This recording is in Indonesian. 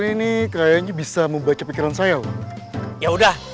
ini kayaknya bisa membaca pikiran saya ya udah